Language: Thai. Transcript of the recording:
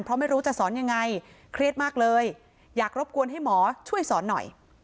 เพราะไม่รู้จะสอนยังไงเครียดมากเลยอยากรบกวนให้หมอช่วยสอนหน่อย